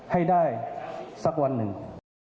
ให้ได้สักวันหนึ่ง